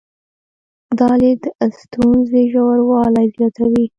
دا لید د ستونزې ژوروالي زیاتوي.